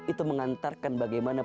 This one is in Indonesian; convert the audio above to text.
itu mengantarkan bagaimana